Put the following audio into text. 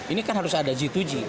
ini kan harus ada g dua g